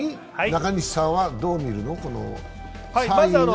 中西さんはどう見るの？